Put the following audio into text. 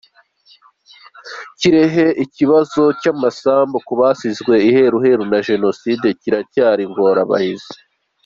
Kirehe Ikibazo cy’amasambu ku basizwe iheruheru na Jenoside kiracyari ingorabahizi